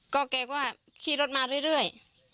ก็แกก็ขี่รถมาเรื่อย